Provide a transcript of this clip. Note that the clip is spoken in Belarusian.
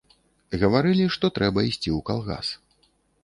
Гаварылі, што трэба ісці ў калгас.